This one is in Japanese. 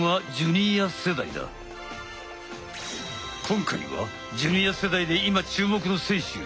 今回はジュニア世代で今注目の選手